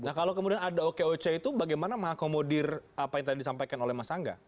nah kalau kemudian ada okoc itu bagaimana mengakomodir apa yang tadi disampaikan oleh mas angga